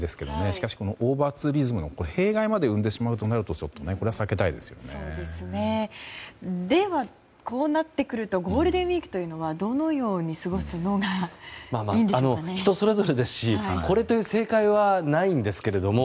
しかし、オーバーツーリズムの弊害まで生んでしまうとなるとこうなってくるとゴールデンウィークというのはどのように過ごすのがまあ、人それぞれですしこれという正解はないんですけれども。